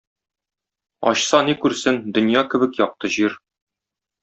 Ачса, ни күрсен: дөнья кебек якты җир.